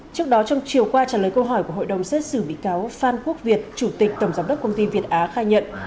trước đó trong chiều qua trả lời câu hỏi của hội đồng xét xử bị cáo phan quốc việt chủ tịch tổng giám đốc công ty việt á khai nhận